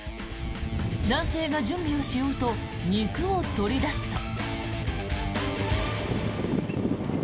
男性が準備をしようと肉を取り出すと。